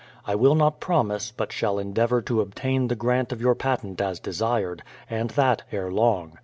I will not promise, but shall endeavour to obtain the grant of your patent as desired, and that ere long.